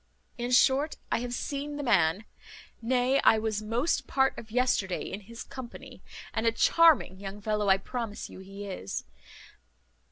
"In short, I have seen the man, nay, I was most part of yesterday in his company, and a charming young fellow I promise you he is.